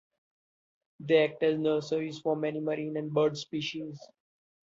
They act as nurseries for many marine and bird species.